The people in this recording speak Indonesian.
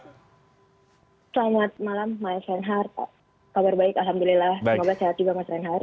selamat malam mas reinhard kabar baik alhamdulillah semoga sehat juga mas reinhardt